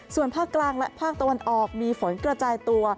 ส่วนภาคกลางและภาคตะวันออกมีฝนกระจายตัว